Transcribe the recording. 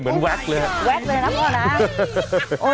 โอ้โห